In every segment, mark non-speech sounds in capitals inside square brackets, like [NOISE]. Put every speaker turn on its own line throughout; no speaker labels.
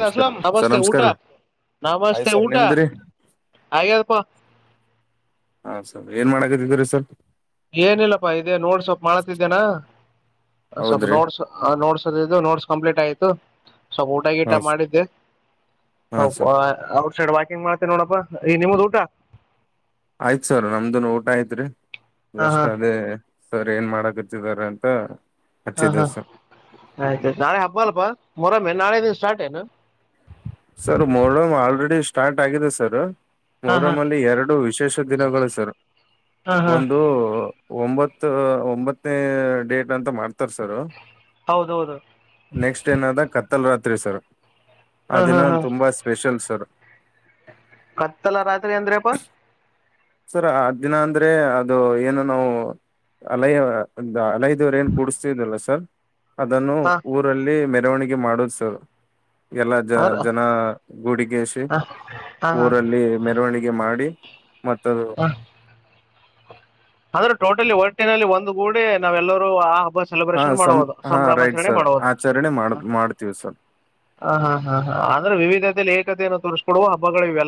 ನಮಸ್ಕಾರ
ಲ
ಸರ್
ನಮಸ್ತೆ
ನಮಸ್ಕಾರ
ಊಟ
ರೀ ಆಯ್ತ್
ನಮಸ್ತೆ
ಸರ್
ಊಟ
ನಿಮ್ದ್ರಿ
ಆಪ್ಪ
ಹಾ ಏನ್ ಮಾಡಕದಿದ ರೀ ಸ್ವಲ್ಪ
ಏನಿಲ್ಲಪ್ಪಾ ಇದೇ ನೋಡ್ ಸ್ವಲ್ಪ್ ಮಾಡತಿದ್ದೇನಾ ಸ್ವಲ್ಪ
ಹೌದ್ರಿ
ನೋಡ್ಸ ನೋಡ್ಸ ನೋಟ್ಸ್ ಕಂಪ್ಲೀಟ್ ಆಯ್ತು ಸ್ವಲ್ಪ ಊಟ
ಹಾ
ಗೀಟ
ಸ-
ಮಾಡಿದ್ದೆ
ಹಾ ಸರ್
ಔಟ್ ಸೈಡ್ ಹೆಂಗ ಮಾಡ್ತೇ ನೋಡಪ್ಪಾ ಈ ನಿಮ್ಮ್ದ ಊಟ
ಆಯ್ತ್ ಸರ್ ನಮ್ದುನ್ ಊಟ ಆಯ್ತ್ರಿ
ಹಾ
ಎಷ್ಟ
ಹಾ
ಅದೇ ಸರ್ ಏನ್ ಮಾಡಕೆ ದ್ದಾರೆ ಅಂತ
ಹಾ
ಹಚ್ಚಿದ್ದೆ
ಹಾ
ಸರ್
ಆಯ್ತಾಯಯ್ತು ನಾಳೆ ಹಬ್ಬ ಅಲ್ಲಪ್ಪಾ ಊರ ನಾಳೆ ದಿನ ಸ್ಟಾರ್ಟ್ ಏನು
ಸರ್ ಮೋರ್ ಆಲ್ರೆಡಿ ಸ್ಟಾರ್ಟ್ ಆಗಿದೆ ಸರ್
ಹಾ ಹಾ
ಮೊರಮಲ್ಲಿ ಎರಡು ವಿಶೇಷ ದಿನಗಳು ಸರ್
ಹಾ ಹಾ
ಒಂದು ಒಂಬತ್ತು ಒಂಬತ್ತನೇ ಡೇಟ್ ಅಂತ ಮಾಡ್ತ
ಹೌದೌದು
ನೆಕ್ಸ್ಟ್ ಏನಾದ ಕತ್ತಲ್ ರಾತ್ರಿ ಸರ್
ಹಾ ಹಾ
ಅದಿನ
ಹಾ
ತುಂಬಾ ಸ್ಪೆಷಲ್ ತ್ತ
ಕತ್ತಲ್ಲ ರಾತ್ರಿ ಅಂದ್ರೆಪ್ಪ
ಸರ್ ಆ್ ದಿನ ಅಂದ್ರೆ ಅದು ಏನು ನಾವು ಅಲ್ಲಯ ಹಲೈದ್ವರೆ ಏನ್ ಕೂಡ್ತಿದಲ್ಲ ಸರ್ ಅದನ್ನು
ಹಾ
ಊರಲ್ಲಿ ಮ ಮೆರವಣಿಗೆ ಮಾಡೋುದು ಸರ್ ಎಲ್ಲ ಜ
ಅದ್ರ
ಜನ ಗುಡಿಿಗೆಸಿ
ಹಾ ಹಾ
ಊರಲ್ಲಿ ಮೆರವಣಿಗೆ ಮಾಡಿ ಮತ್ತದು
ಹಾ ಅಂದ್ರೆ ಟೋಟಲಿ ಒಟ್ಟಿನಲ್ಲಿ ಒಂದು ಗೂಡಿ ನಾವೆಲ್ಲರೂ ಆ
ಹಾ
ಸೆಲೆಬ್ರೇಷನ್
ಸಂ
ಮಾಡುದು
ಹಾ ರೈಟ್
ಸಂಭ್ರಮಾಚರಣೆ
ಸರ್
ಮಾಡುದು
ಆಚರಣೆ ಮಾಡ ಮಾಡ್ತೀವಿ ಸರ್
ಹ ಹ್ರೆ ವಿವಿ ಏಕತೆಯನ್ನು ತೋರಿಸಿಕೊುವ ಹಬ್ಗಳಿವೆಲ್ಲ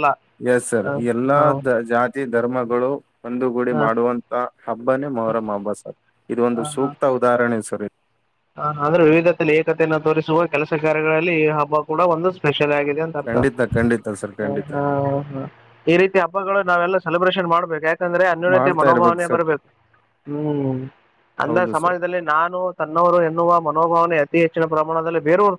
ಎಸ್ ಸರ್ ಎಲ್ಲಾ ದ ಜಾತಿ ಧರ್ಮಗಳು ಒಂದು ಗುಡಿ
ಹಾ,
ಮಾಡುವಂತ ಹಬ್ಬಾನೇ ಮೊಹರಮ್ಮ ಹಬ್ಬ ಸರ್ ಇದು ಒಂದು ಸೂಕ್ತ ಉದಾಹರಣೆ ಸರ್ ಇ
ಹ ಅಂದ್ರೆ ವಿವಿಧದಲ್ಲಿ ಏಕತೆಯನ್ನ ತೋರಿಸುವ ಕೆಲಸ ಕಾರ್ಯಗಳಲ್ಲಿ ಈ ಹಬ್ಬ ಕೂಡ ಒಂದು ಸ್ಪ ಆ ಅಂತ ಅರ್ಥ
ಖಂಡಿತ ಖಂಡಿತ ಸರ್
ಹ
ಖಂಡಿತ
ಹ ಹ ಈ ರೀತಿ ಹಬ್ಬಗಳು ನಾವೆಲ್ಲ ಸೆಬ್ರೇನ್ ಮಾಡ್ಬೇಕು ಂದ್ರೆ ಅನ್ಯೋನತಿ
ಮಾಡ್ತಾ ಇರ್ಬೇಕು
ಮನೋಭಾವನೆ
ಸರ್
ಬರಬೇಕು ಹ್ಮ್ ಅಂದ್ರ
ಹೌದು ಸರ್
ಸಮಾಜದಲ್ಲಿ ನಾನು ಎನ್ನುವ ಮನೋಭಾವನೆ ಅತಿ ಹೆಚ್ಚಿನ ಪ್ರಮಾಣದಲ್ಲಿ ಬೇರೂರ್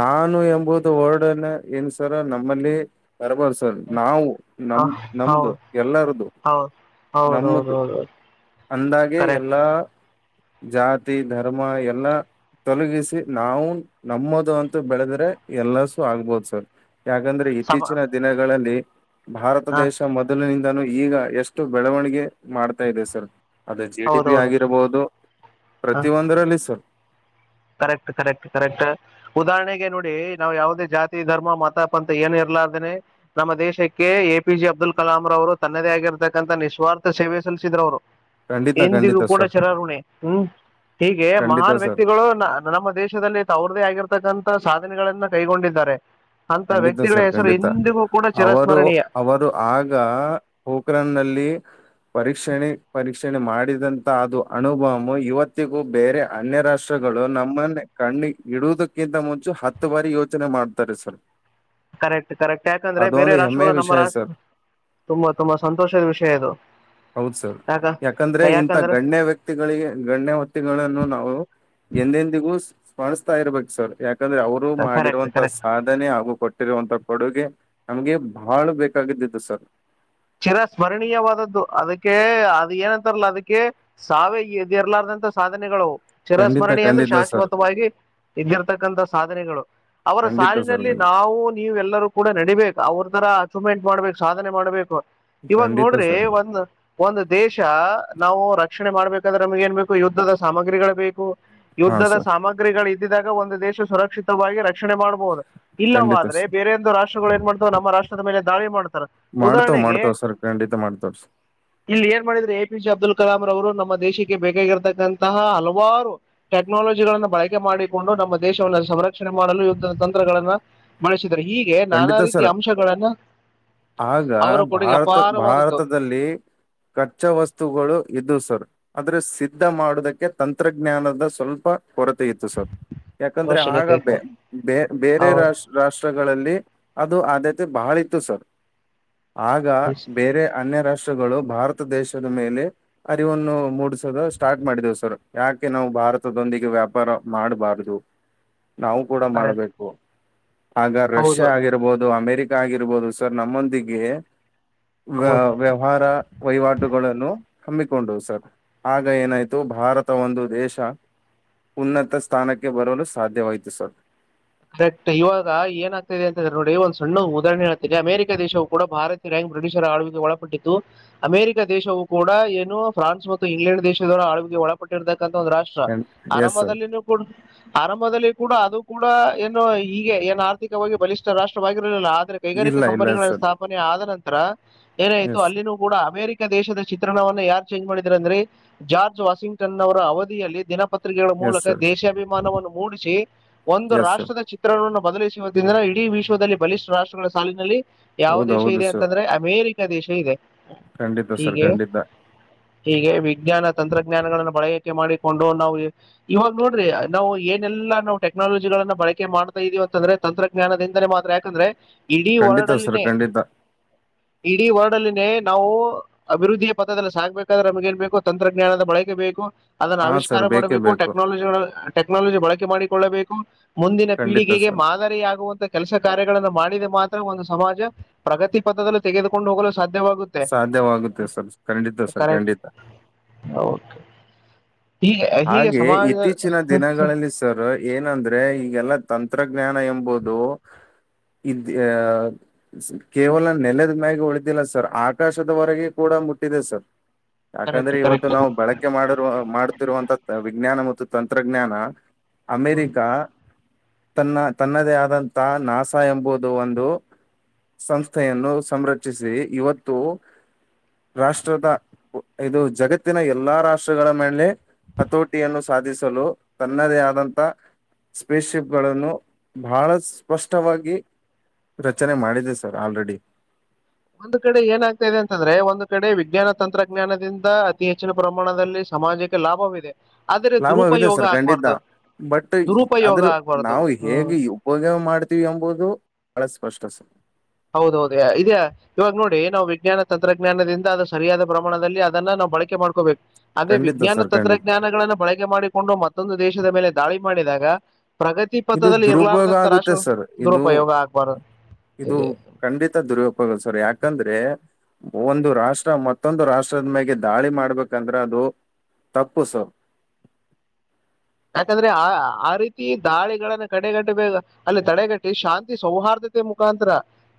ನಾನು ಎಂಬುದು ಹೊರ್ಡನೆ ಏನ್ಸರ ನಮ ನಮ್ಮಲ್ಲಿ ಬರ್ಬಾರದು ಸರ್ ನಾವು ನಮ
ಹ ಹೌದು
ನಮ್ದು ಎಲ್ಲಾರದು
ಹೌದು ಹೌದೌದು
ನಮ್ಮದು
ಹೌದು
ಅಂದಾಗೆ
ಕರೆಕ್ಟ್
ಎಲ್ಲಾ ಜಾತಿ ಧರ್ಮ ಎಲ್ಲಾ ತೊಲಗಿಸಿ ನಾವು ನಮ್ಮದು ಅಂತೂ ಬೆಳದ್ರೆ ಎಲ್ಲಸು ಆಗ್ಬೋದು ಸರ್ ಯಾಕಂದ್ರೆ
ಸಮ
ಇತ್ತೀಚಿನ ದಿನಗಳಲ್ಲಿ ಭಾರತ
ಹ
ದೇಶ ಮೊದಲಿನಿಂದ ನಾನು ಈಗ ಎಷ್ಟು ಬೆಳವಣಿಗೆ ಮಾಡ್ತಾ ಇದೆ ಸರ್ ಅದು ಜಿ ಡಿ ಪಿ
ಹೌದೌದು
ಆಗಿರಬಹುದು
ಹ
ಪ್ರತಿಿಯ ಒಂದರಲ್ಲಿ ಸರ್
ಕರೆಕ್ಟ್ ಕರೆಕ್ಟ್ ಕರೆಕ್ಟ್ ಉದಾಹರಣೆಗೆ ನೋಡಿ ನಾ್ ಯಾವವುದೇ ಜಾತಿ ಧರ್ಮ ಮತ ಪಂಥ ಏನು ಇರ್ಲಾರ್ದೇನೆ ನಮ್ಮ ದೇಶಕ್ಕೆ A P J Abdul Kalam ರ ಅವರು ತನ್ನದೇ ಆಗಿರ್ತಕ್ಕಂಂತ ನಿಸ್ವಾರ್ಥ ಸೇವೆ ಸಲ್ಲಿಸಿದ್ರ ಅವರು
ಖಂಡಿತ
ಎಂದಿಗು
ಖಂಡಿತ
ಕೂಡ
ಸರ್
ಶರಾರಋಣಿ ಹ್ಮ್ ಹೀಗೆ
ಖಂಡಿತ
ಮಹಾನ್
ಸರ್
ವ್ಯಕ್ತಿಗಳು ನಮ್ಮ ದೇಶದಲ್ಲಿ ತ ಅವ್ರದೇ ಆಗಿರ್ತಕ್ಕಂತಥ ಸಾಧನೆಗಳನ್ನ ಕೈಗೊಂಡಿದ್ದಾರೆ ಅಂತ
ಖಂಡಿತ
ವ್ಯಕ್ತಿಗಳ
ಸರ್
ಹೆಸರು
ಖಂಡಿತ
ಇಂದಿಗೂ ಕೂಡ
ಅವರು
ಚಿರಸ್ಮರಣೀಯ
ಅವರು ಆಗ ಹೋಕ್ರನ್ ನಲ್ಲಿ ಪರೀಕ್ಷಣೆ ಪರೀಕ್ಷಣೆ ಮಾಡಿದಂತ ಅದು ಅನುಭವಮ ಇವತ್ತಿಗೂ ಬೇರೆ ಅನ್ಯ ರಾಷ್ಟ್ರಗಳು ನಮ್ಮನ್ನ ಕಣ್ಣಿ ಇಡುವುದಕ್ಕಿಂತ ಮುಂಚೆ ಹತ್ತು ಬಾರಿ ಯೋಚನೆ ಮಾಡ್ತಾರೆ ಸರ್
ಕರೆಕ್ಟ್ ಕರೆಕ್ಟ್ ಯಾಕಂದ್ರೆ ಬೇರೆ
ಅದೊಂದು ಹೆಮ್ಮೆ
ರಾಷ್ಟ್ರಗಳು ನಮ್ಮ
ವಿಷಯ ಸರ್
ರಾಷ್ಟ್ರ ತುಂಬಾ ತುಂಬಾ ಸಂತೋಷದ ವಿಷಯ ಇದು
ಹೌದು ಸರ್
ಯಾಕ
ಯಾಕಂದ್ರೆ ಇಂತ
ಯಾಕಂದ್ರ
ಗಣ್ಯ ವ್ಯಕ್ತಿಗಳಿಗೆ ಗಣ್ಯ ಹೊತ್ತಿಗಳನ್ನು ನಾವು ಎಂದೆಂದಿಗೂ ಮಾಡಿಸತಾ ಇರ್ಬೇಕು ಸರ್ ಯಾಕೆ ಯಾಕಂದ್ರೆ ಅವರು
ಕರೆಕ್ಟ್
ಮಾಡಿರುವಂತ
ಕರೆಕ್ಟ್
ಸಾಧ್ಯ ಕೊಟ್ಟಿರುವಂತ ಕೊಡುಗೆ ನಮ್ಗೆ ಬಾಳ ಬೇಕಾಗಿದ್ದು ಸರ್.
ಚಿರ ಸ್ಮರಣೀಯವಾದದ್ದು ಅದಕ್ಕೆ ಅದ ಏನಂತಾರಲ್ಲ ಅದಕ್ಕೆ ಸಾವೇ ಇ ಇರ್ಲಾರ್ದಂತ ಸಾಧನೆಗಳು.
ಖಂಡಿತ
ಚಿರಸ್ಮರಣಿ ಅಂದ್ರೆ
ಖಂಡಿತ ಸರ್
ಶಾಶ್ವತವಾಗಿ ಇದ್ದಿರ್ತಕ್ಕಂತಥ ಸಾಧನೆಗಳು ಅವರ
ಖಂಡಿತ ಸರ್
ಸಾಲಿನಲ್ಲಿ
ಖಂಡಿತ
ನಾವು ನೀವು ಎಲ್ಲರೂ ಕೂಡ ನಡೀಬೇಕಕ್ ಅವ್ರ ತರ. ಸುಮೆಂಟ್ ಮಾಡ್ಬೇಕು ಸಾಧನೆ ಮಾಡ್ಬೇಕು. ಇವಾಗ
ಖಂಡಿತ
ನೋಡ್ರಿ
ಸರ್
ಒಂದ ಒಂದ ದೇಶ ನಾವು ರ. ರಿಕ್ಷಣೆ ಮಾಡಬೇಕಾದ್ರೆ ನಮ್ಗೆ ಏನ್ೇಕು ಯುದ್ಧದ ಸಾಮಗ್ರಿಗಳು ಬೇಕು.
ಹಾ
ಯುದ್ಧದ
ಸರ್
ಸಾಮಗ್ರಿಗಳು ಇದ್ದಿದಾಗ. ಒಂದು ದೇಶ ಸುರಕ್ಷಿತವಾಗಿ ರಕ್ಷಣೆ ಮಾಡ. ಹುದು
ಖಂಡಿತ
ಇಲ್ಲವಾದ್ರೆ
ಸರ್
ಬೇರೆ ಒಂದು ರಾಷ್ಟ್ರ. ಏ ಮಾಡ್ ನ ರಾಷ್ಟ್ರದೇಲೆ ದಾಳಿ ಮಾಡತ.
ಮಾಡ್ತಾವ್
ಉದಾಹರಣೆಗೆ.
ಮಾಡ್ತಾವ್ ಸರ್ ಖಂಡಿತ ಮಾಡ್ತಾವ್ ಸರ್
ಇಲ್ಲಿ ಏನ್ ಮಾಡಿದ್ರೆ ಎಪಿ ಜಿ ಅಬ್ದುಲ್ ಕಲಾಂ. ಅವ ನಮ್ಮ ದೇಶಕ್ಕೆ ಬೇಕಾಗಿರತಕ್ಕಂತಹ ಹಲವಾರು ಟೆಕ್ನಾಲಜಿಗಳನ್ನು ಬಳಕೆ ಮಾಡಿಕೊಂಡು ನಮ್ಮ ದೇಶವನ್ನು ಸಂರಕ್ಷಣೆ ಮಾಡಲು ಯುದ್ಧದ ತಂತ್ರಗಳನ್ನು ಬಳಸ. ಅ್ರೆ ಹೀಗೆ ನಾನಾ
ಖಂಡಿತ
ರೀತಿ
ಸರ್
ಅಂಶಗಳಗಳನ್ನು
ಆಗ
ಅವರ ಕೊಡುಗೆ
ಭಾರತ
ಅಪಾರವಾದದ್ದು
ಭಾರತದಲ್ಲಿ ಕಚ್ಚಾ ವಸ್ತುಗಳು ಇದು ಸರ್. ಆದ್ರೆ ಸಿದ್ಧ ಮಾಡುದಕ್ಕೆ ತಂತ್ರಜ್ಞಾನದ ಸ್ವಲ್ಪ. ಕೊರತೆ ಇತ್ತು ಸರ್ ಯಾಕಂದ್ರೆ ಆಗ
ಅವಶ್ಯಕತೆ
ಬ
ಇತ್ತು
ಬ ಬೇರೆ
ಅವ್ರ
ರಾಷ್ಟ ರಾಷ್ಟ್ರ. ಗಳಲ್ಲಿ. ಅದು ಆದ್ಯತೆ ಬಹಳ ಇತ್ತು ಸರ್. ಆಗ ಬೇರೆ ಅನ್ಯ ರಾಷ್ಟ್ರ. ಗಳು ಭಾರತ ದೇಶದ ಮೇಲೆ ಅರಿವನ್ನು ಮೂಡಿಸದ ಸ್ಟಾರ್ಟ್ ಮಾಡಿದವು ಸರ್ ಯಾಕೆ ನಾವು ಭಾರತದೊಂದಿಗೆ ವ್ಯಾಪಾರ ಮಾಡಬಾರ್ದದು. ನಾವು ಕೂಡ ಮಾಡ್ಬೇಕು. ಹಾಗ. ರಷ್ಯ
ಹೌದು
ಆಗಿರಬಹುದು ಅಮೆರಿಕ. ಆಗಿರಬಹದು ಸರ್ ನಮ್ಮೊಂದಿಗೆ. ವ
ಹೌದು
ವ್ಯವಹಾರ ವಹಿವಾಟುಗಳನ್ನು. ಹಮ್ಮಿಕೊಂಡು ಸರ್ ಆಗ ಏನಾಯ್ತು ಭಾರತ ಒಂದು ದೇಶ ಉನ್ನತ ಸ್ಥಾನಕ್ಕೆ ಬರಲು ಸಾಧ್ಯವಾಯತು ಸರ್.
ಕರೆಕ್ಟ್ ಇವಾಗ ಏನ ಆಾಗ್ತದೆ ಅಂತಂದ್ರೆ ನೋಡಿ ಒಂದ್ ಸಣ್ಣ ಉದಾಹರಣೆ ಆಗ್ತದೆ ಅಮೆರಿಕ ದೇಶವು ಕೂಡ ಭಾರತೀಯ ರ್ಯಾಂಕ್ ಬ್ರಿಟಿಷರ ಆಡುವಿಗೆ ಒಳಪಟ್ಟಿತ್ತು ಅಮೆರಿಕಾ ದೇಶವುೂ ಕೂಡ ಏನು ಫ್ರಾನ್ಸ್ ಮತ್ತು ಇಂಗ್ಲೆಂಡ್ ದೇಶದವರ ಆಳ್ಡಿಗೆ ಒಳಪಟ್ಟಿದಾಗ. ಒಂದು ರಾಷ್ಟ್ರ
ಎಸ್ ಸರ್
ಆರಂಭದಲ್ಲಿನೂ ಕೂಡ ಆರಂಭದಲ್ಲಿ. ಕೂಡ ಅದು ಕೂಡ. ಎಏನುೋ. ಈಗ ಏನ್ ಆರ್ಥಿಕವಾಗಿ ಬಲಿಷ್ಠ. ರಾಷ್ಟ್ರವಾದಿ. ಆದರೆ ಕೈಗಾರಿಕಾ
ಇಲ್ಲ ಇಲ್ಲ
ಕಂಪನಿಗಳಲ್ಲಿ
ಸರ್
ಸ್ಥಾಪನೆ ಆದ ನಂತರ. ತ್ರರ ಏನಾಯ್ತು
ಎಸ್
ಅಲ್ಲಿನೂ ಕೂಡ ಅಮೇರಿಕ ದೇಶದ ಚಿತ್ರಣವವನ್ನು ಯಾರ್ ಚೇಂಜ್ ಮಾಡಿದ್ರ ಅಂದ್ರೆ ಜಾರ್ಜ್ ವಾಷಿಂಗ್ಟನ್ ಅವರ ಅವಧಿಯಲ್ಲಿ ದಿನ ಪತ್ರಿಕೆಗಳ
ಎಸ್
ಮೂಲಕ
ಸರ್
ದೇಶಾಭಿಮಾನವನ್ನು ಮೂಡಿಸಿ ಒಂದು
ಎಸ್ ಸರ್
ರಾಷ್ಟ್ರ ಬದಲಿಸುವುದಂದ ಇಡೀ ವಿಶ್ವದಲ್ಲಿ ಬಲಿಷ್ಠ ರಾಷ್ಟ್ರಗಳ ಸಾಲಿನಲ್ಲಿ ಯಾವ
ಹೌದು
ದೇಶ
ಹೌದು
ಇದೆ
ಸರ್
ಅಂತಂದ್ರೆ ಅಮೇರಿಕ ದೇಶ ಇದೆ
ಖಂಡಿತ ಸರ್
ಹೀಗೆ
ಖಂಡಿತ
ಹೀಗೆ ವಿಜ್ಞಾನ ತಂತ್ರಜ್ಞಾನಗಳಗಳನ್ನು ಬಳಕೆ ಮಾಡಿಕೊಂಡು ನಾವು ಇವಾಗ ನೋಡ್ರಿ ನಾವು ಏನೆಲ್ಲಾ ನಾವು ಟೆಕ್ನಾಲಜಿ ಗಳನ್ನ ಬಳಕೆ ಮಾಡ್ತಾ ಇದೀವಿ ಅಂತಂದ್ರೆ ತಂತ್ರಜ್ಞಾನದಿಂದಲೇ ಮಾತ್ರ ಯಾಕಂದ್ರೆ ಇಡೀ
ಖಂಡಿತ ಸರ್
ಹೊರಡಲ್ಲಿನೇ
ಖಂಡಿತ
ಇಡೀ ವರ್ಲ್ಡ್ ಅಲ್ಲಿನೇ ನಾವು ಅಭಿವೃದ್ಧಿಯ ಪಥದಲ್ಲಿ ಸಾಾಗ್ಬೇಕಾದ್ರೆ ನಮಗ ನ್ ಬೇಕು ತಂತ್ರಜ್ಞಾನದ ಬಳಕೆ ಬೇಕು ಅದನ್ನ
ಹಾ
ಆವಿಷ್ಕಾರ
ಸರ್ ಬೇಕೇ
ಮಾಡಬೇಕು
ಬೇಕು
ಟೆಕ್ನಾಲಜಿ ಟೆಕ್ನಾಲಜಿ ಬಳಕೆ ಮಾಡಿ ಕೊಳ್ಳಬೇಕು ಮುಂದಿನ
ಖಂಡಿತ
ಪೀಳಿಗೆಗೆ
ಸರ್
ಮಾದರಿಯಾಗುವಂತಹ ಕೆಲಸ ಕಾರ್ಯ ಗಳನ್ನು ಮಾಡಿದೆ ಮಾತ್ರ ಒಂದು ಸಮಾಜ ಪ್ರಗತಿ ಪಥದಲ್ಲಿ ತೆಗೆದುಕೊಂಡು ಹೋಗಲು ಸಾಧ್ಯ
ಸಾಧ್ಯವಾಗುತ್ತೆ ಸರ್ ಖಂಡಿತ ಸರ್
ಕರೆಕ್ಟ್
ಖಂಡಿತ
ಓಕೆ. ಹೀಗೆ ಹೀಗೆ
ಹಾಗೆ
ಸಮಾಜ
ಇತ್ತೀಚಿನ ದಿನಗಳಲ್ಲಿ ಸರ್ ಏನಂದ್ರೆ ಈಗೆಲ್ಲ ತಂತ್ರಜ್ಞಾನ ಎಂಬುದು ಇದಹ ಕೇವಲ ನೆಲದ ಮ್ಯಾಗ ಉಳಿದಿಲ್ಲ ಸರ್ ಆಕಾಶದವರೆಗೆ ಕೂಡ ಮುಟ್ಟಿದೆ ಸರ್
ಕರೆಕ್ಟ್
ಯಾಕಂದ್ರೆ ಇವತ್ತು
ಕರೆಕ್ಟ್
ನಾವು ಬಳಕೆ ಮಾಡ ಮಾಡ ವಿಜ್ಞಾನ ಮತ್ತು ತಂತ್ರಜ್ಞಾನ ಅಮೇರಿಕಾ ತನ್ನ ತನ್ನದೇ ಆದಂತ ನಾಸಾ ಎಂಬುದು ಒಂದು ಸಂಸ್ಥೆಯನ್ನು ಸಂರಕ್ಷಿಸಿ ಇವತ್ತು ರಾಷ್ಟ್ರದ ಇದು ಜಗತ್ತಿನ ಎಲ್ಲಾ ರಾಷ್ಟ್ರಗಳ ಮೇಲೆ ಹತೋಟಿಯನ್ನು ಸಾಧಿಸಲು ತನ್ನದೇ ಆದಂಥ ಸ್ಪೇಸ್ಶಿಪ್ಗಳನ್ನು ಬಹಳ ಸ್ಪಷ್ಟವಾಗಿ ರಚನೆ ಮಾಡಿದೆ ಸರ್ ಆಲ್ರೆಡಿ
ಒಂದು ಕಡೆ ಏನಾಗ್ತಾ ಇದೆ ಅಂತಂದ್ರೆ ಒಂದು್ ಕಡೆ ವಿಜ್ಞಾನ ತಂತ್ರಜ್ಞಾನದಿಂದ ಅತಿ ಹೆಚ್ಚಿನ ಪ್ರಮಾಣದಲ್ಲಿ ಸಮಾಜಕ್ಕೆ ಲಾಭವಿದೆ ಆದರೆ
ಲಾಭವಿದೆ
ದುರುಪಯೋಗ
ಸರ್ ಖಂಡಿತ
ಆಗ್ಬಾರ್ದು
ಬಟ್
ದುರುಪಯೋಗ
ಆದ್ರ
ಆಗ್ಬಾರ್ದು
ನಾವು
ಹ್ಮ್
ಹೇಗೆ ಉಪಯ ಮಾಡ್ತ ಎಂಬುದು ಬಹಳ ಸ್ಪಷ್ಟ ಸ
ಹೌದೌದು ಇದ್ಯಾ ಇವಾಗ ನೋಡಿ ನಾವು ವಿಜ್ಞಾನ ತಂತ್ರಜ್ಞಾನದಿಂದ ಅದು ಸರಿಯಾದ ಪ್ರಮಾಣದಲ್ಲಿ ಅದನ್ನ ನಾವು ಬಳಕೆ ಮಾಡ್ಕೋಬೇಕು ಅದೇ
ಖಂಡಿತ
ವಿಜ್ಞಾನ
ಸರ್ ಖಂಡಿತ
ತಂತ್ರಜ್ಞಾನಗಳನ್ನ ಬಳಕೆ ಮಾಡಿಕೊಂಡು ಮತ್ತ ಮತ್ತೊಂದು ದೇಶದ ಮೇಲೆ ದಾಳಿ ಮಾಡಿದಾಗ ಪ್ರಗತಿ
ಇದು
ಪಥದಲ್ಲಿ
ದುರುಪಯೋಗ ಆಗುತ್ತೆ
ಇರ್ಲಾರ್ದಂತರಾಷ್ಟು
ಸರ್ ಇದು
ದುರುಪಯೋಗ ಆಗ್ಬಾರ್ದ
ಇದು ಖಂಡಿತ ದುರ್ಯೋಪೋಗ ಸರ್ ಯಾಕಂದ್ರೆ ಒಂದು ರಾಷ್ಟ್ರ ಮತ್ತೊಂದು ರಾಷ್ಟ್ರದ ಮೇಲೆ ದಾಳಿ ಮಾಡ್ಬೇಕಂದ್ರೆ ಅದು ತಪ್ಪು ಸರ್
ಯಾಕಂದ್ರೆ ಆ ಆ ರೀತಿ ದಾಳಿಗಳನ್ನ ಕಡೆಗಟ್ಟಬೇಕ ಅಲ್ಲಿ ತಡೆಗಟ್ಟಿ ಶಾಂತಿ ಸೌಹಾರ್ದತೆ ಮುಖಾಂತರ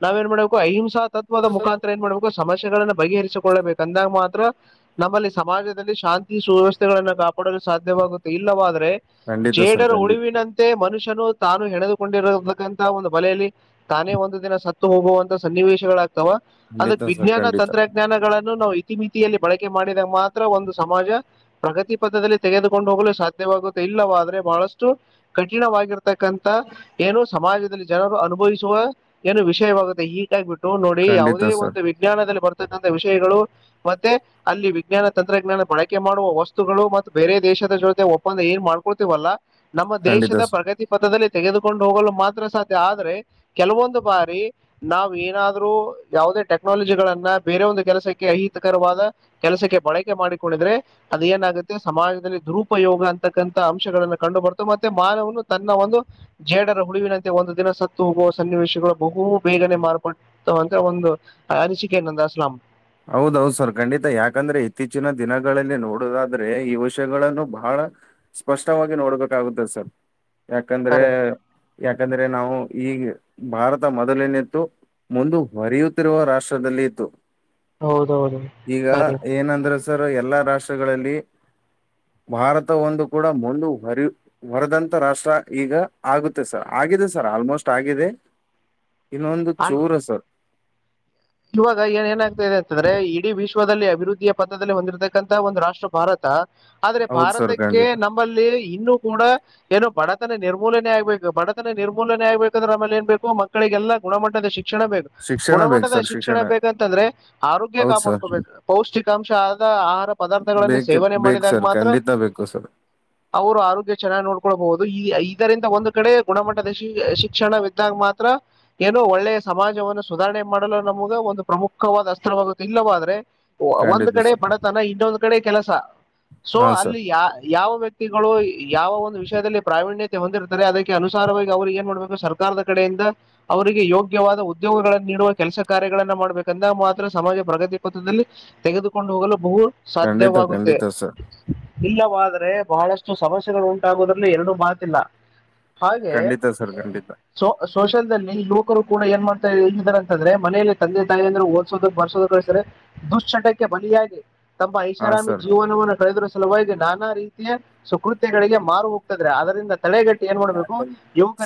ನಾವ್ ಏನ್ ಮಾಡ್ಬೇಕು ಅಹಿಂಸಾ ತ್ವದ ಮುಖಾಂತರ ಏನು ಮಾಡಬೇಕು ಸಮಾ ಗಳನ್ನು ಬಗೆಹರಿಸಿಕೊಳ್ಳಬೇಕು ಅಂದಾಗ ಮಾತ್ರ ನಮ್ಮಲ್ಲಿ ಸಮಾಜದಲ್ಲಿ ಶಾಂತಿ ಸುವ್ಯವಸ್ಥೆಗಳನ್ನು ಕಾಪಾಡಲು ಸಾಧ್ಯವಾಗುತ್ತೆ ಇಲ್ಲವಾದ
ಖಂಡಿತ ಸರ್
ಜೇಡರ್
ಖಂಡಿತ
ಉಳಿವಿನಂತೆ ಮನುಷ್ಯನು ತಾನು ಹೆಣೆದುಕೊಂಡಿರತಕ್ಕಂತಹ ಒಂದು ಬಲೆಯಲ್ಲಿ ತಾನೇ ಒಂದು ದಿನ ಸತ್ತು ಹೋಗುವಂತ ಸನ್ನಿವೇಶಗಳ ಅಥವಾ
ಖಂಡಿತ
ಅದಕ್
ಸರ್
ವಿಜ್ಞಾನ
ಖಂಡಿತ
ತಂತ್ರಜ್ಞಾನಗಳನ್ನು ನಾವು ಇತಿಮಿತಿ ಬಳಕೆ ಮಾಡಿದಾಗ ಮಾತ್ರ ಒಂದು ಸಮಾಜ ಪ್ರಗತಿ ಪಥದಲ್ಲಿ ತೆಗೆದುಕೊಂಡು ಹೋಗಲು ಸಾಧ್ಯವಾಗುತ್ತ ಇಲ್ಲವಾದ್ರೆ ಬಹಳಷ್ಟು ಕಠಿಣವಾಗಿರ್ತಕ್ಕಂತ ಏನು ಸಮಾಜದಲ್ಲಿ ಜನರು ಅನುಭವಿಸುವ ಏನು ವಿಷಯವಾಗುತ್ತೆ ಹೀಗಾಗಿ ಬಿಟ್ಟು ನೋಡಿ
ಖಂಡಿತ
ಯಾವುದೇ
ಸರ್
ಒಂದು ವಿಜ್ಞಾನದಲ್ಲಿ ಬರ್ತಕ್ಕಂತಥ ವಿಷಯಗಳು ಮತ್ತೆ ಅಲ್ಲಿ ವಿಜ್ಞಾನ ತಂತ್ರಜ್ಞಾನ ಬಳಕೆ ಮಾಡುವ ವಸ್ತುಗಳು ಮತ್ತು ಬೇರೆ ದೇಶದ ಜೊತೆ ಒಪ್ಪಂದ ಏನು ಮಾಡ್ಕೊಳ್ತೀವಲ್ಲ ನಮ್ಮ
ಖಂಡಿತ
ದೇಶದ
ಸರ್
ಪ್ರಗತಿ ಪಥದಲ್ಲಿ ತೆಗೆದುಕೊಂಡು ಹೋಗಲು ಮಾತ್ರ ಸಾಧ್ಯ ಆದ್ರೆ ಕೆಲವೊಂದು ಬಾರಿ ನಾವವು ಏನಾದ್ರೂ ಯಾವುದೇ ಟೆಕ್ನಾಲಜಿಗಳನ್ನ ಬೇರೆ ಒಂದು ಕೆಲಸಕ್ಕೆ ಅಹಿತಕರವಾದ ಕೆಲಸಕ್ಕೆ ಬಳಕೆ ಮಾಡಿಕೊಂಡಿದ್ರೆ ಅದ ಏನಾಗುತ್ತೆ ಸಮಾಜದಲ್ಲಿ ದುರುಪಯೋಗ ಅಂತ ತಕ್ಕಂತಥ ಅಂಶಗಳನ್ನ ಕಂಡು ಬರ್ತವೆ ಮತ್ತೆ ಮಾನವನು ತನ್ನ ಒಂದು ಜೇಡರ ಹುಳಿವಿನಂತೆ ಒಂದು ದಿನ ಸತ್ತು ಹೋಗುವ ಸನ್ನಿವೇಶಗಳು ಬಹು ಬೇಗನೆ ಮಾರ್ಪಡ್ತ ಅಂತ ಒಂದು ಅನಿಸಿಕೆ ನಂದ ಅಸ್ಲಾಂ
ಹೌದೌದು ಸರ್ ಖಂಡಿತ ಯಾಕಂದ್ರೆ ಇತ್ತೀಚಿನ ದಿನಗಳಲ್ಲಿ ನೋಡುದಾದ್ರೆ ಈ ವಿಷಯಗಳನ್ನು ಬಹಳ ಸ್ಪಷ್ಟವಾಗಿ ನೋಡ್ಬೇಕಾಗುತ್ತದೆ ಸರ್ ಯಾಕಂದ್ರೆ
ಕರೆ
ಯಾಕಂದ್ರೆ ನಾವು ಈಗ ಭಾರತ ಮೊದಲೇನಿತ್ತು ಮುಂದಹರಿಯುತ್ತಿರುವ ರಾಷ್ಟ್ರದಲ್ಲಿ ಇತ್ತು
ಹೌದೌದು
ಈಗ
ಸರಿ
ಏನಂದ್ರೆ ಸರ್ ಎಲ್ಲಾ ರಾಷ್ಟ್ರಗಳಲ್ಲಿ ಭಾರತ ಒಂದು ಕೂಡ ಮುಂದು ಹೊರಿ ಹೊರದಂತ ರಾಷ್ಟ್ರ ಈಗ ಆಗುತ್ತೆ ಸರ್ ಆಗಿದೆ ಸರ್ ಆಲ್ಮೋಸ್ಟ್ ಆಗಿದೆ ಇನ್ನೊಂದು
ಅಲ್ಲ
ಚೂರ ಸರ್
ಇವಾಗ ಏನ್ ಏನಾಗ್ತಾ ಇದೆ ಅಂತಂದ್ರೆ ಇಡೀ ವಿಶ್ವದಲ್ಲಿ ಅಭಿವೃದ್ಧಿಯ ಪಥದಲ್ಲಿ ಹೊಂದಿರತಕ್ಕಂಥ ಒಂದು ರಾಷ್ಟ್ರ ಭಾರತ ಆದ್ರೆ
ಹೌದು ಸರ್
ಭಾರತಕ್ಕೆ
ಖಂಡಿತ
ನಮ್ಮಲ್ಲಿ ಇನ್ನುೂ ಕೂಡ ಏನು ಬಡತನ ನಿರ್ಮೂಲನೆ ಆಗ್ಬೇಕು ಬಡತನ ನಿರ್ಮೂಲನೆ ಆಗ್ಬೇಕಂದ್ರ ಆಮೇಲೆ ಏನ್ಬೇಕು ಮಕ್ಕಳಿಗೆಲ್ಲ ಗುಮಟ್ಟದ ಶಿ ಶಿಕ್ಷಣ ಬೇಕು
ಶಿಕ್ಷಣ ಬೇಕು
ಗುಣಮಟ್ಟದ
ಸರ್
ಶಿ ಶಿಕ್ಷಣ ಬೇಕಂತಂದ್ರೆ ಆರೋಗ್ಯ
ಹೌದು ಸರ್
ಕಾಪಾಡ್ಕೋಬೇಕು ಪೌಷ್ಟಿಕಾಂಶ ಆದ ಆಹಾರ ಪದಾರ್ಥಗಳನ್ನು
ಬೇಕ
ಸೇವನೆ
ಬೇಕು
ಮಾಡಿದಾಗ
ಸರ್
ಮಾತ್ರ
ಖಂಡಿತ ಬೇಕು ಸರ್
ಅವರು ಆರೋಗ್ಯ ಚೆನ್ನಾಗಿ ನೋಡ್ಕೊಳ್ಬಹುದು ಇದರಿಂದ ಒಂದು ಕಡೆ ಗುಣಮಟ್ಟದ ಶಿಕ್ಷಣವಿದ್ದಾಗ ಮಾತ್ರ ಏನೋ ಒಳ್ಳೆಯ ಸಮಾಜವನ್ನು ಸುಧಾರಣೆ ಮಾಡಲು ನಮಗೆ ಒಂದು ಪ್ರಮುಖವಾದ ಅಸ್ತ್ರವಾಗುತ್ತೆ ಇಲ್ಲವಾದ್ರೆ ಒಂದ್
ಖಂಡಿತ
ಕಡೆ
ಸರ್
ಬಡತನ ಇನ್ನೊಂದ್ ಕಡೆ ಕೆಲಸ ಸೊ
ಹಾ ಸರ್
ಅಲ್ಲಿ ಯಾ ಯಾವ ವ್ಯಕ್ತಿಗಳು ಯಾವ ಒಂದು ವಿಷಯದಲ್ಲಿ ಪ್ರಾವೀಣ್ಯತೆ ಹೊಂದಿರ್ತಾರೆ ಅದಕ್ಕೆ ಅನುಸಾರವಾಗಿ ಅವರು ಏನ್ ಮಾಡ್ಬೇಕು ಸರ್ಕಾರದ ಕಡೆಯಿಂದ ಅವರಿಗೆ ಯೋಗ್ಯವಾದ ಉದ್ಯೋಗಗಳನ್ನು ನೀಡುವ ಕೆಲಸ ಕಾರ್ಯಗಳನ್ನ ಮಾಡ್ಬೇಕಂದ ಮಾತ್ರ ಸಮಾಜ ಪ್ರಗತಿ ಪಥದಲ್ಲಿ ತೆಗೆದುಕೊಂಡು ಹೋಗಲು ಬಹು
ಖಂಡಿತ
ಸಾಧ್ಯವಾಗುತ್ತೆ
ಖಂಡಿತ ಸರ್
ಇಲ್ಲವಾದರೆ ಬಹಳಷ್ಟು ಸಮಸ್ಯೆಗಳುಟ ವುದ್ರಲ್ಲಿ ಎರಡು ಮಾತಿಲ್ಲ ಹಾಗೆ
ಖಂಡಿತ ಸರ್ ಖಂಡಿತ
ಸೋಷಲ್ದಲ್ಲಿ ಗೂ ಮಕ್ಕರು ಕೂಡ ಏನ್ ಮಾಡತಾ ಇದಾರೆ ಅಂತಂದ್ರೆ ಮನೇೆಯಲ್ಲಿ ತಂದೆ, ತಾಯಿ ಅಂದ್ರೆ ಓದಸೋದ ಬರ್ಸೋದ ಅಂದ್ರೆ, ದುಶ್ಚಟಕ್ಕೆ ಬಲಿಯಾಗಿ ತಮ್ಮ
ಹಾ
ಐಷಾರಾಮಿ
ಸರ್
ಜೀವನವನ್ನು ಕಳೆದರ ಸಲುವಾಗಿ, ನಾ ರೀತಿಯ ಸುಕೃತ್ಯಗಳಿಗೆ ಮಾರು ಹೋಗ್ತ ಇದಾರೆ. ಅದರಿಂದ, ತಡೆಗಟ್ಟಿ ಏನ್ ಮಾಡ್ಬೇಕು
ಯಾಕ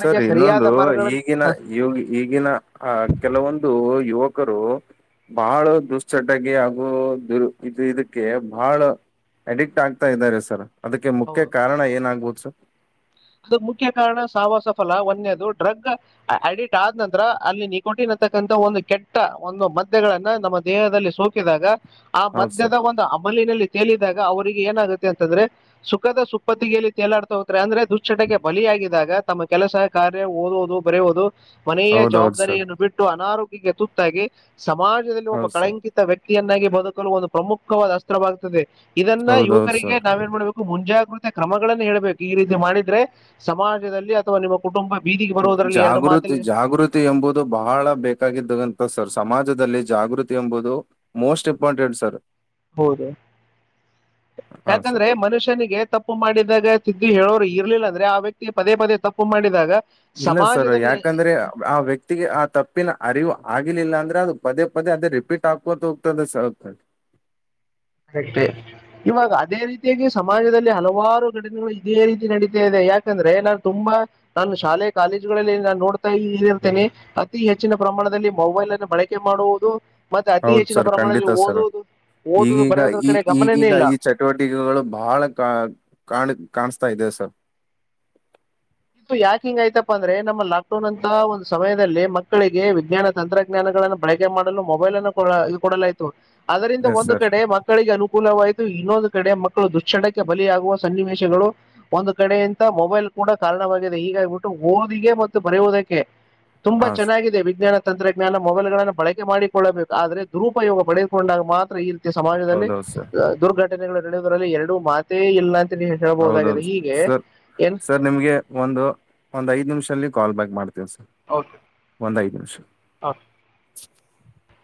ಸರ್ ಇನ್ನೊಂದು,
ಸರಿಯಾದ ಮಾರ್ಗಗಳಲ್ಲಿ
ಈಗಿನ ಈ ಈಗಿನ ಆ ಕೆಲವೊಂದು, ಯುವಕರು ಬಹಳ ದುಶ್ಚಟಕ್ಕೆ, ಹಾಗೂ ದು, ಇ ಇದಕ್ಕೆ. ಬಹಳ ಅಡಿಕ್ಟ್ ಆಗ್ತಾ ಇದ್ದಾರೆ ಸರ್. ಅದಕ್ಕೆ
ಹೌದು
ಮುಖ್ಯ ಕಾರಣ ಏನಾಗಬಹುದು. ಸ
ಅದು ಮುಖ್ಯ ಕಾರಣ ಸವಾಸ ಫಲ ಒನ್ನೆದು ಡ್ರಗ್ ಅಡಿಕ್ಟ್ ಆದ ನಂತರ, ಅಲ್ಲಿ ನಿಕೋಟಿತಕ್ಕಂತ ಒಂದು ಕೆಟ್ಟ ಒಂದು ಮದ್ದಗಳನ್ನ ನಮ್ಮ ದೇಹದಲ್ಲಿ ಸೋಕಿದಾಗ, ಆ
ಹೌದು ಸರ್
ಮಧ್ಯದ ಒಂದು ಅಮಲಿನಲ್ಲಿ, ತೇಲಿದಾಗ ಅವ್ರರಿಗೆ ಏನಾಗುತ್ತೆ ಅಂತಂದ್ರೆ ಸುಖದ ಸುಪ್ಪತ್ತಿಗೆಲ್ಲಿ ತೇಲಾಡ್ತಾ ಹೋಗ್ತಾರೆ. ಅಂದ್ರೆ ದು ಶಕ್ಷಟಗೆ ಬಲಿಯಾಗಿದ್ದಾಗ ತಮ್ಮ, ಕೆಲಸ, ಕಾರ್ಯ ಓದುವುದು, ಬರೆಯುವುದು, ಮನೆಯ
ಹೌದೌದು ಸರ್
ಜವಾಬ್ದಾರಿಯನ್ನು ಬಿಟ್ಟು. ಅನಾರೋಗ್ಯ ಗೆ ತುತ್ತಾಗಿ, ಸಮಾಜದಲ್ಲಿ ಒಬ್ಬ
ಹೌದು ಸರ್
ಕಳಂಕಿತ ವ್ಯಕ್ತಿ, ವ್ಯಕ್ತಿಯನ್ನಾಗಿ ಬದುಕಲು ಒಂದು ಪ್ರಮುಖವಾದ ಅಸ್ತ್ರವಾಗುತ್ತದೆ. ಇದನ್ನ
ಹೌದೌದು ಸರ್
ಯುವಕರಿಗೆ ನಾವೇನ್ ಮಾಡ್ಬೇಕು, ಮುಂಜಾಗೃತಿ ಕ್ರಮಗಳಗಳನ್ನು ಹೇಳ್ಬೇಕು. ಈ ರೀತಿ ಮಾಡ ದ್ರೆ ಸಮಾಜದಲ್ಲಿ ಅಥವಾ, ನಿಮ್ಮ ಕುಟುಂಬ, ಬೀದಿಗೆ ಬರೋದ್ರಲ್ಲಿ ಎರಡು
ಜಾಗೃತಿ,
ಮಾತಲ್ಲಿ
ಜಾಗೃತಿ ಎಂಬುದು ಬಹಳ ಬೇಕಾಗಿದ್ದ. ಗಂತ ಸರ್ ಸಮಾಜದಲ್ಲಿ ಜಾಗೃತಿ ಎಂಬುದು ಮೋಸ್ಟ್ ಇಂಪಾರ್ಟೆಂಟ್ ಸರ್.
ಹೌದು
ಹಾ ಸರ್
ಯಾಕಂದ್ರೆ ಮನುಷ್ಯನಿಗೆ ತಪ್ಪು ಮಾಡಿದಾಗ, ತಿ ದಿ ಹೇಳೋರು ಇರ್ಲಿಲ್ಲ ಅಂದ್ರೆ, ಆ ವ್ಯಕ್ತಿ ಪದೇ ಪದೇ ತಪ್ಪು ಮಾಡಿದಾಗ,
ಇಲ್ಲ ಸರ್
ಸಮಾಜದಲ್ಲಿ
ಯಾಕಂದ್ರೆ ಆ ವ್ಯಕ್ತಿಗೆ, ಆ ತಪ್ಪಿನ ಅರಿವು, ಆಗ್ಲಿಲ್ಲ ಅಂದ್ರೆ ಅದು ಪದೇ ಪದೇ ಅದೇ ರಿಪೀಟ್ ಆಗ್ಕೋತ ಹೋಗ್ತದೆ ಸರ್.
ಕರೆಕ್ ಇವಾಗ ಅದೇ ರೀತಿಯಾಗಿ ಸಮಾಜದಲ್ಲಿ ಹಲವಾರು ಘಟನೆಗಳು ಇದೇ ರೀತಿ ನಡೀತಾ ಇದೆ. ಯಾಕಂದ್ರೆ ನಾನು ತುಂಬಾ ನಾನು ಶಾಲೆ ಕಾಲೇಜುಗಳಲ್ಲಿ ನಾನು ನೋಡ್ತಾ ಇರ್ತೇನೆ. ಅತಿ ಹೆಚ್ಚಿನ ಪ್ರಮಾಣದಲ್ಲಿ ಮೊಬೈಲ್ ಅನ್ನು ಬಳಕೆ ಮಾಡುವುದು. ಮತ್ತೆ ಅತಿ
ಹೌದು
ಹೆಚ್ಚಿನ
ಸರ್
ಪ್ರಮಾಣದಲ್ಲಿ
ಖಂಡಿತ ಸರ್
ಓದುವುದು. ಓದುದು
ಈಗೀಗ
ಬರೆಯೋದ್ರ
ಈ
ಕಡೆ ಗಮನನೇ
ಈಗೀಗ
ಇಲ್ಲ
ಈ ಚಟುವಟಿಕೆಗಳು, ಬಹಳ ಕ ಕಾಣ ಕಾಣಸಾಗ್ ತದೇ ಸರ್.
ಇದು ಯಾಕೆ ಹಿಂಗ ಆ್ತಪ್ಪ ಅಂದ್ರೆ ನಮ್ಮ ಲಾಕ್ಡೌನ್ ಅಂತ ಒಂದು ಸಮಯದಲ್ಲಿ. ಮಕ್ಕಳಿಗೆ ವಿಜ್ಞಾನ, ತಂತ್ರಜ್ಞಾನಗಳನ್ನ, ಬಳಕೆ ಮಾಡಲು ಮೊಬೈಲ್ ಅನ್ನು ಕೊ ಕೊಡಲಾಯ್ತು. ಅದರಿಂದ
ಎಸ್
ಒಂದು
ಸರ್
ಕಡೆ ಮಕ್ಕಳಿಗೆ ಅನುಕೂಲವಾಯಿತು. ಇನ್ನೊಂದು ಕಡೆ ಮಕ್ಕಳ ದುಶ್ಣಕ್ಕೆ ಬಲಿಯಾಗುವ ಸನ್ನಿವೇಶಗಳು. ಒಂದು ಕಡೆಯಂತ ಮೊಬೈಲ್ ಕೂಡ ಕಾರಣವಾಗಿದೆ. ಹಗಾಗಬಿಟ್ಟು ಓದಿಗೆ, ಮತ್ತು ಬರೆಯೋದಕ್ಕೆ, ತುಂಬಾ
ಹಾ ಸರ್
ಚೆನ್ನಾಗಿದೆ ವಿಜ್ಞಾನ. ತಂತ್ರಜ್ಞಾನ ಮೊಬೈಲ್ ಗಳನ್ನು ಬಳಕೆ ಮಾಡಿಕೊಳ್ಳಬೇಕು. ಆದ್ರೆ ದುರುಪಯೋಗ ಪಡೆದುಕೊಂಡಾಗ ಮಾತ್ರ ಇ ಸಮಾಜದಲ್ಲಿ
ಹೌದೌದು ಸರ್
ದುರ್ಘಟನೆ, [UNINTELLIGIBLE] ಡುದರಲ್ಲಿ ಎರಡು ಮಾತೇ ಇಲ್ಲ ಅ ತಿಲ್ಲಿ ಹೇಳಬಹುದಾಗಿದೆ
ಹೌದೌದು
ಹೀಗೆ
ಸರ್
ಏನ್
ಸರ್ ನಿಮ್ಗೆ ಒಂದು ಒಂದ್ ಐದು ನಿಮಿಷದಲ್ಲಿ ಕಾಲ್ ಬ್ಯಾಕ್ ಮಾಡ್ತೀವಿ ಸರ್.
ಓಕೆ
ಒಂದ್ ಐದ್ ನಿಮಿಷ್
ಆ
[INAUDIBLE]